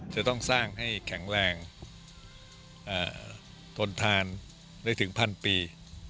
จะต้องสร้างให้แข็งแรงทนทานได้ถึงพันปี